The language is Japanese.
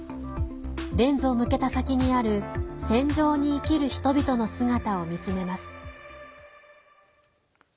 レンズを向けた先にある戦場に生きる人々の姿を見つめます。